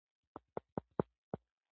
د نېټه لرونکو اثارو شمېر مخ په ځوړ ځي.